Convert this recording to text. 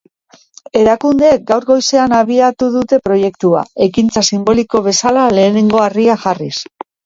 Erakundeek gaur goizean abiatu dute proiektua, ekintza sinboliko bezala lehenengo harria jarriz.